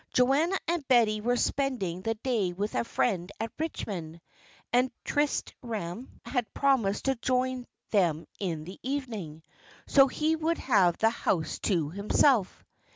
Joanna and Betty were spending the day with a friend at Richmond, and Tristram had promised to join them in the evening, so he would have the house to himself.